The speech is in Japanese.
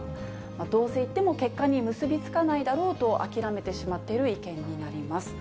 どうせ言っても結果に結び付かないだろうと諦めてしまっている意見になります。